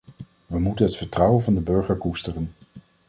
We moeten het vertrouwen van de burger koesteren.